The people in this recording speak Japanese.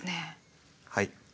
はい。